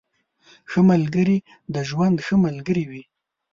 ښه ملګري د ژوند ښه ملګري وي.